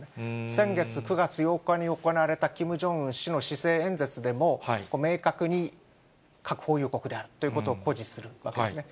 先月・９月８日に行われたキム・ジョンウン氏の施政演説でも、明確に核保有国であるということを誇示するわけですね。